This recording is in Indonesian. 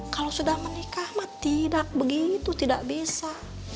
kalau sudah menikah mah tidak begitu tidak bisa